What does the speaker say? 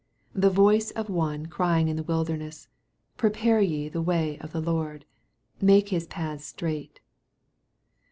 3 The voice of one crying in the wilderness, Prepare ye the way of the Lord, make his paths straight.